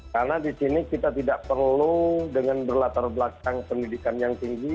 karena di sini kita tidak perlu dengan berlatar belakang pendidikan yang tinggi